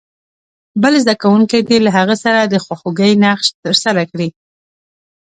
بل زده کوونکی دې له هغه سره د خواخوږۍ نقش ترسره کړي.